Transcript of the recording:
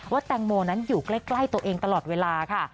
แตงโมนั้นอยู่ใกล้ตัวเองตลอดเวลาค่ะ